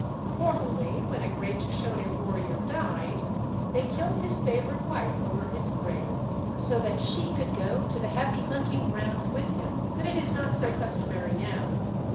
] Formerly, when a great Shoshone warrior died, they killed his favorite wife over his grave, so that she could go to the happy hunting grounds with him, but it is not so customary now.